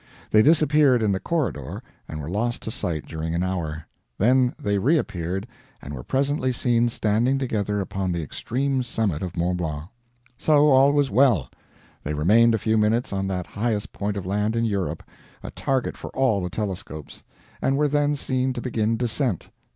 They disappeared in the "Corridor," and were lost to sight during an hour. Then they reappeared, and were presently seen standing together upon the extreme summit of Mont Blanc. So, all was well. They remained a few minutes on that highest point of land in Europe, a target for all the telescopes, and were then seen to begin descent.